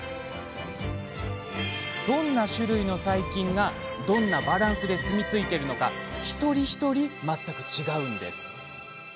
どんな種類の細菌がどんなバランスですみついているのか一人一人全く違うんです。